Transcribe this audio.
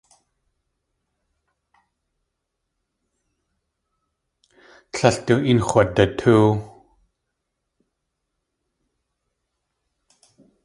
Tlél du een x̲wadatóow.